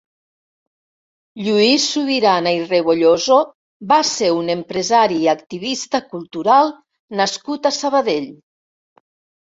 Lluís Subirana i Rebolloso va ser un empresari i activista cultural nascut a Sabadell.